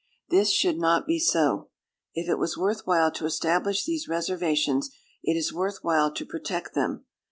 This should not be so. If it was worth while to establish these reservations, it is worth while to protect them.